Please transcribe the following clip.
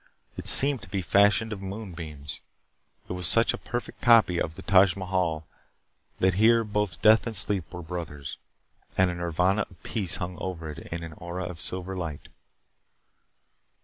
It seemed to be fashioned of moonbeams. It was such a perfect copy of the Taj Mahal that here both death and sleep were brothers and a nirvana of peace hung over it in an aura of silver light.